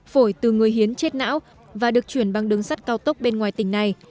phổi từ người hiến chết não và được chuyển bằng đường sắt cao tốc bên ngoài tỉnh này